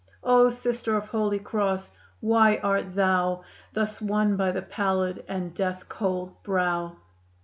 O Sister of Holy Cross, why art thou Thus won by the pallid and death cold brow?